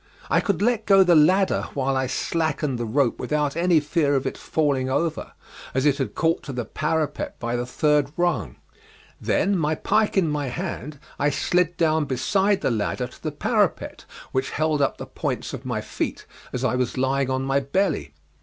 I could let go the ladder while I slackened the rope without any fear of its falling over, as it had caught to the parapet by the third rung. Then, my pike in my hand, I slid down beside the ladder to the parapet, which held up the points of my feet, as I was lying on my belly.